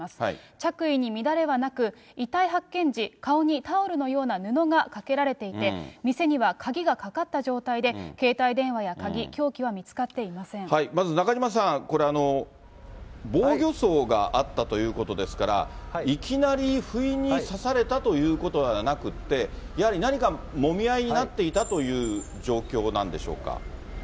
着衣に乱れはなく、遺体発見時、顔にタオルのような布がかけられていて、店には鍵がかかった状態で、携帯電話や鍵、まず、中島さん、これ、防御創があったということですから、いきなり不意に刺されたということではなくって、やはり何か、もみ合いになっていたという状況なんでしょうか。